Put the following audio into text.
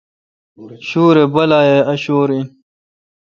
شویر بالہ اؘ شور این۔